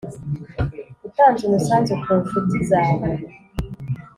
utanze umusanzu ku nshuti zawe.